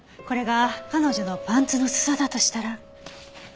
これが彼女のパンツの裾だとしたら。